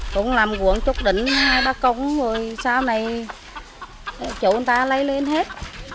cũng làm một quận chốt đỉnh hai ba công rồi sau này chỗ người ta lấy lên hết